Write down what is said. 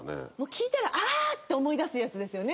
聞いたらああっ！って思い出すやつですよね。